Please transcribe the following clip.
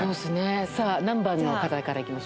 さぁ何番の方から行きましょう？